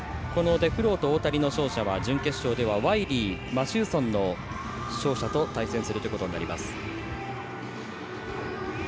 デフロート、大谷の勝者は準決勝ではワイリーマシューソンの勝者と対戦します。